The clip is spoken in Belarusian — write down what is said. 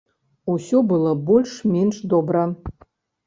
Усё было больш-менш добра.